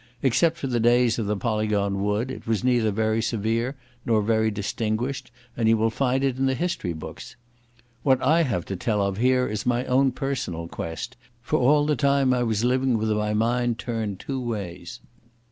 Except for the days of the Polygon Wood it was neither very severe nor very distinguished, and you will find it in the history books. What I have to tell of here is my own personal quest, for all the time I was living with my mind turned two ways.